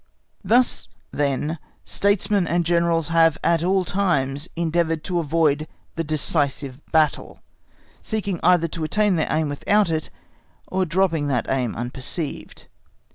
Thus, then, Statesmen and Generals have at all times endeavoured to avoid the decisive battle, seeking either to attain their aim without it, or dropping that aim unperceived.